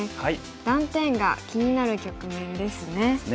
断点が気になる局面ですね。